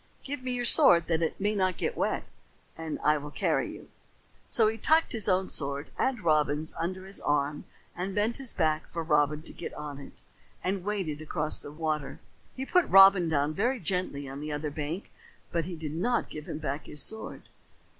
Give me your sword that it may not get wet, and I will carry you." So he tucked his own sword and Robin's under his arm, bent his back for Robin to get on it, and waded across the water. He put Robin down very gently on the other bank, but he did not give him back his sword.